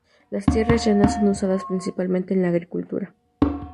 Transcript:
Las tierras llanas son usadas principalmente en la agricultura.